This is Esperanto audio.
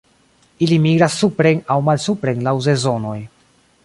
Ili migras supren aŭ malsupren laŭ sezonoj.